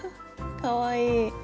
かわいい。